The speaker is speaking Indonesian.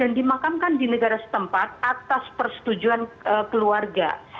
dan dimakamkan di negara setempat atas persetujuan keluarga